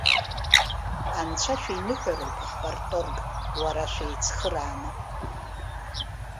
Анцәа шәиныҳәароуп, ҳпарторг, уара шәеицхырааны!